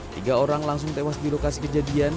tiga orang langsung tewas di lokasi kejadian